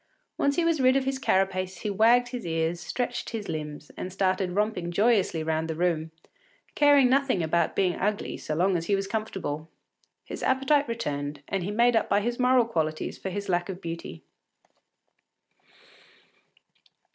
Once he was rid of his carapace, he wagged his ears, stretched his limbs, and started romping joyously round the room, caring nothing about being ugly so long as he was comfortable. His appetite returned, and he made up by his moral qualities for his lack of beauty.